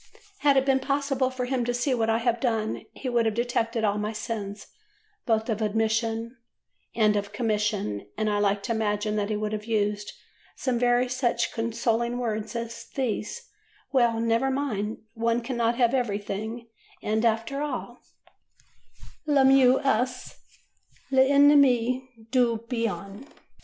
Had it been possible for him to see what I have done, he would have detected all my sins, both of omission and of commission, and I like to imagine that he would have used some such consoling words as these: "Well, never mind; one cannot have everything; and, after all, 'Le mieux est l'ennemi du bien.